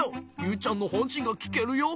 ユウちゃんのほんしんがきけるよ？